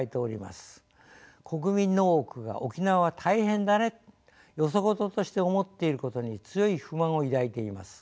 国民の多くが「沖縄は大変だね」とよそ事として思っていることに強い不満を抱いています。